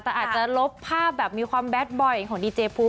แต่อาจจะลบภาพแบบมีความแดดบ่อยของดีเจภูมิ